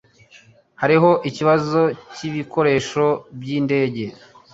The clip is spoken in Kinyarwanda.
Hariho ikibazo cyibikoresho byindege.